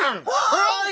はい！